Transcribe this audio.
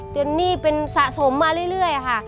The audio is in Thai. หนี้เป็นสะสมมาเรื่อยค่ะ